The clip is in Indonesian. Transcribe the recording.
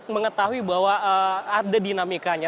mengetahui bahwa ada dinamikanya